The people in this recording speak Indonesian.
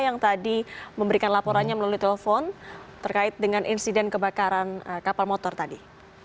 yang tadi memberikan laporannya melalui telepon terkait dengan insiden kebakaran kapal motor tadi